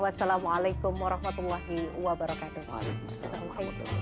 wassalamualaikum warahmatullahi wabarakatuh